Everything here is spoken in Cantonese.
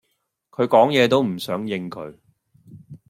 佢講野都唔想應佢